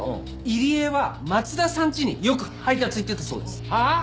入江は松田さんちによく配達行ってたそうです。はあ！？